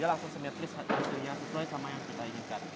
dia langsung simetris hasilnya sesuai sama yang kita inginkan